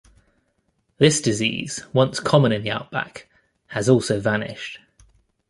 This disease, once common in the outback, has also vanished.